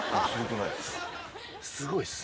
すごいっす。